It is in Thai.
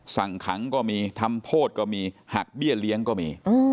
สั่งขังก็มีทำโทษก็มีหักเบี้ยเลี้ยงก็มี